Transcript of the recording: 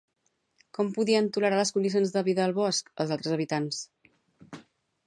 Com podien tolerar les condicions de vida al bosc, els altres habitants?